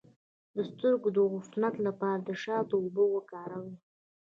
د سترګو د عفونت لپاره د شاتو اوبه وکاروئ